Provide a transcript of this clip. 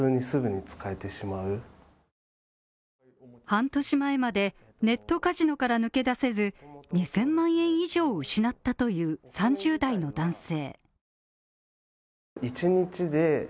半年前までネットカジノから抜け出せずに２０００万円以上を失ったという３０代の男性。